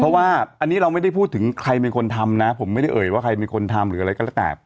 เพราะว่าอันนี้เราไม่ได้พูดถึงใครเป็นคนทำนะผมไม่ได้เอ่ยว่าใครเป็นคนทำหรืออะไรก็แล้วแต่